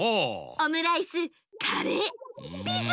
オムライスカレーピザ。